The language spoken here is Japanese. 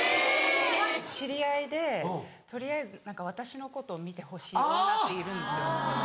知り合いで取りあえず何か私のことを見てほしい女っているんですよ。